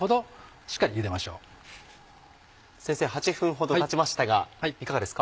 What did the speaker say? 先生８分ほどたちましたがいかがですか？